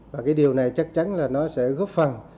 và cái điều này chắc chắn là nó sẽ góp phần